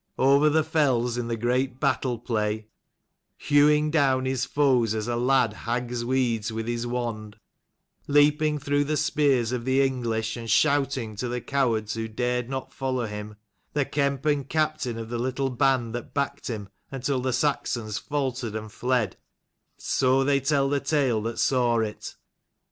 Over the fells in the great battle play, hewing down his foes as a lad haggs weeds with his wand, leaping through the spears of the English and shouting to the cowards who dared not follow him : the kemp and captain of the little band that backed him, until the Saxons faltered and fled, so they tell the tale that saw it.